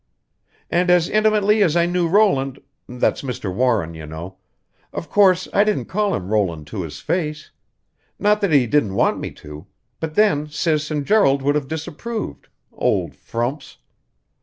"And as intimately as I knew Roland that's Mr. Warren, you know of course I didn't call him Roland to his face. Not that he didn't want me to, but then Sis and Gerald would have disapproved old frumps!